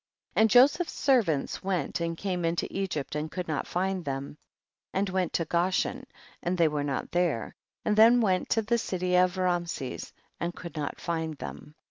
16. And Joseph's servants went and came into Egypt and could not find them, and went to Goshen and they were not there, and then went to the city of Raamses and could not find them.